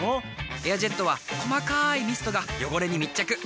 「エアジェット」は細かいミストが汚れに密着。